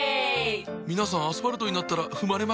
皆さんアスファルトになったら踏まれまくりですねぇ。